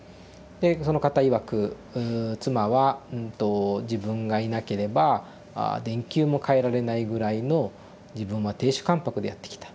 でその方いわく「妻は自分がいなければ電球も替えられないぐらいの自分は亭主関白でやってきた。